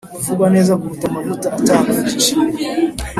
Kuvugwa neza kuruta amavuta atamye y igiciro